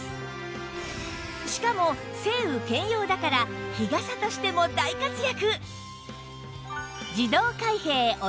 しかも晴雨兼用だから日傘としても大活躍！